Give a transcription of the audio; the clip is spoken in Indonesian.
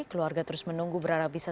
keluarga terus menunggu berharap bisa